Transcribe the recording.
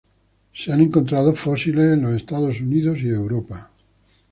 Se han encontrado fósiles en los Estados Unidos y Europa.